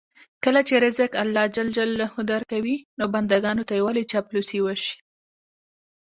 کله چې رزق الله ج درکوي، نو بندګانو ته یې ولې چاپلوسي وشي.